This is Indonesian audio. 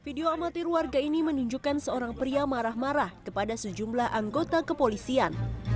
video amatir warga ini menunjukkan seorang pria marah marah kepada sejumlah anggota kepolisian